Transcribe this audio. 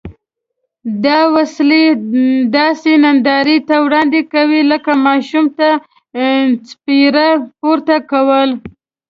دا وسلې داسې نندارې ته وړاندې کوي لکه ماشوم ته څپېړه پورته کول.